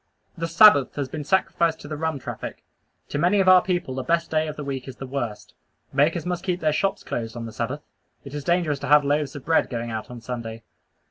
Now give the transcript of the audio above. The Sabbath has been sacrificed to the rum traffic. To many of our people the best day of the week is the worst. Bakers must keep their shops closed on the Sabbath. It is dangerous to have loaves of bread going out on Sunday.